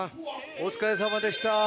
お疲れさまでした。